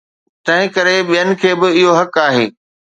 تنهنڪري ٻين کي به اهو حق آهي.